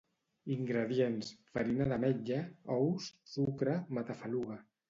Ingredients: farina d'ametlla, ous, sucre, matafaluga